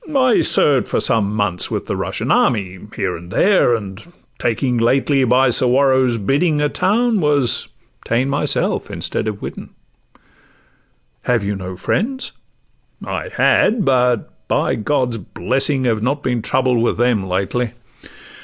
'—'I served for some Months with the Russian army here and there, And taking lately, by Suwarrow's bidding, A town, was ta'en myself instead of Widdin.' 'Have you no friends?'—'I had—but, by God's blessing, Have not been troubled with them lately.